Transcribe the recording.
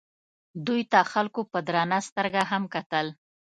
دوی ته خلکو په درنه سترګه هم کتل.